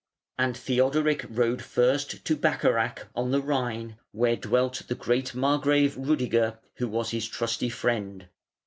And Theodoric rode first to Bacharach on the Rhine, where dwelt the great Margrave, Rudiger, who was his trusty friend.